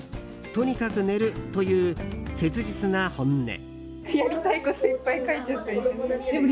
とにかく寝るという切実な本音。